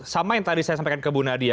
sama yang tadi saya sampaikan ke bu nadia